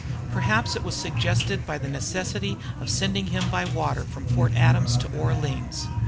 Perhaps it was suggested by the necessity of sending him by water from Fort Adams and Orleans.